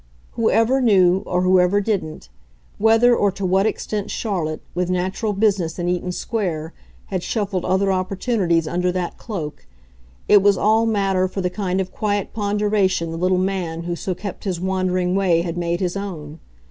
Whoever knew, or whoever didn't, whether or to what extent Charlotte, with natural business in Eaton Square, had shuffled other opportunities under that cloak, it was all matter for the kind of quiet ponderation the little man who so kept his wandering way had made his own.